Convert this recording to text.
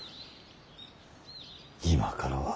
今からは。